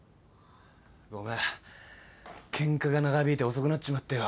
ごめんケンカが長引いて遅くなっちまってよ。